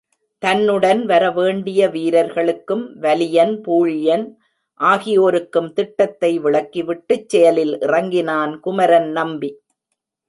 தன்னுடன் வரவேண்டிய வீரர்களுக்கும் வலியன், பூழியன் ஆகியோருக்கும் திட்டத்தை விளக்கிவிட்டுச் செயலில் இறங்கினான் குமரன் நம்பி.